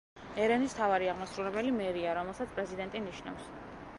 ერევნის მთავარი აღმასრულებელი მერია, რომელსაც პრეზიდენტი ნიშნავს.